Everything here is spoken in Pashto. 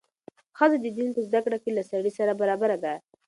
ښځه د دین په زده کړه کې له سړي سره برابره ده.